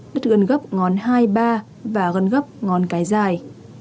đứt gân gấp ngón hai ba và gân gấp ngón cái dài